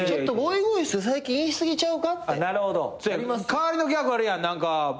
代わりのギャグあるやん何か。